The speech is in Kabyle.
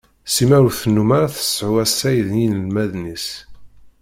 Sima ur tennum ara tseɛu assaɣ d yinelmaden-is.